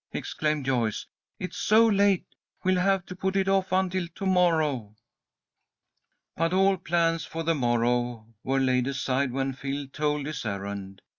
exclaimed Joyce. "It's so late, we'll have to put it off until to morrow." But all plans for the morrow were laid aside when Phil told his errand.